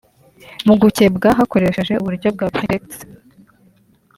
Mu gukebwa hakoreshejwe uburyo bwa prepex